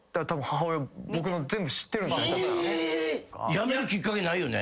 やめるきっかけないよね。